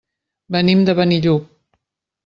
Venim de Benillup.